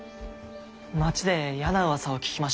町で嫌なうわさを聞きました。